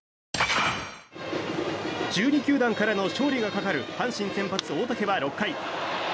１２球団からの勝利がかかる阪神先発、大竹は６回。